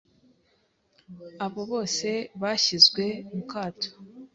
Abo bose bashyizwe mu kato